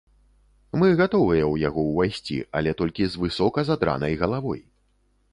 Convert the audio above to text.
Мы гатовыя ў яго ўвайсці, але толькі з высока задранай галавой.